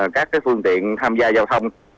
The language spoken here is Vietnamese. các cái phương tiện tham gia giao thông